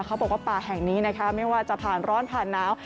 เขาบอกว่าป่าแห่งนี้นะคะไม่ว่าจะผ่านร้อนผ่านหนาว